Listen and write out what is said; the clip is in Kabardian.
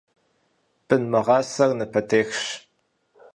Бын мыгъасэр напэтехщ.